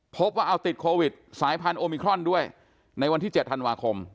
พบว่าเอาติดโควิดสายพันธุมิครอนด้วยในวันที่๗ธันวาคม